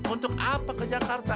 untuk apa ke jakarta